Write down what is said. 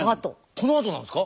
このあとなんすか⁉